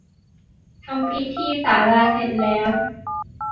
ทำพิธีที่ศาลาเสร็จแล้ว